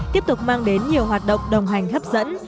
tiếp tục mang đến nhiều hoạt động đồng hành hấp dẫn